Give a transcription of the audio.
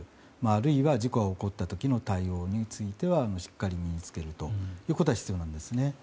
あるいは、事故が起こった時の対応についてはしっかり身に着けることが必要なんですね。